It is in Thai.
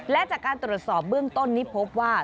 และจากการตรวจสอบเบื้องต้นนี้พบว่า